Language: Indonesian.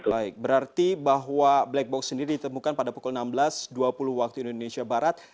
baik berarti bahwa black box sendiri ditemukan pada pukul enam belas dua puluh waktu indonesia barat